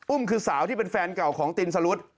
คือสาวที่เป็นแฟนเก่าของตินสรุธ